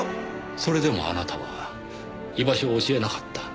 それでもあなたは居場所を教えなかった。